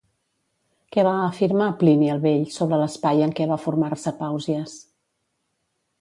Què va afirmar Plini el Vell sobre l'espai en què va formar-se Pàusies?